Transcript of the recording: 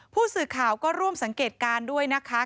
ผู้สื่อข่าวก็ร่วมสังเกตการณ์ด้วยนะคะ